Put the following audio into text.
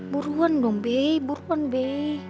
buruan dong be buruan be